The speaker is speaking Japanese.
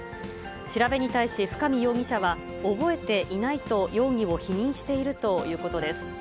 調べに対し、深見容疑者は、覚えていないと、容疑を否認しているということです。